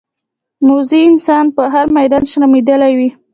موزي انسان په هر میدان شرمېدلی وي.